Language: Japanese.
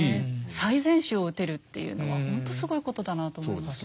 最善手を打てるっていうのはほんとすごいことだなと思います。